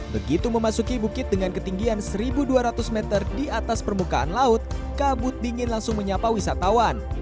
begitu memasuki bukit dengan ketinggian satu dua ratus meter di atas permukaan laut kabut dingin langsung menyapa wisatawan